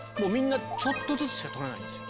ちょっとずつしか取らないんです